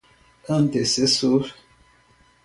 antecessor